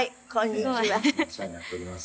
「いつもお世話になっております」